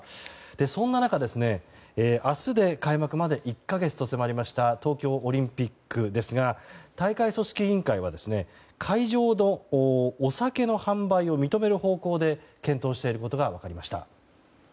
そんな中、明日で開幕まで１か月と迫りました東京オリンピックですが大会組織委員会は会場でのお酒の販売を認める方向で検討していることが分かりました。